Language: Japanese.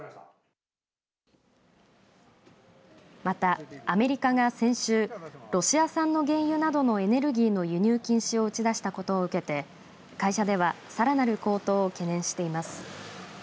また、アメリカが先週ロシア産の原油などのエネルギーの輸入禁止を打ち出したことを受けて会社ではさらなる高騰を懸念しています。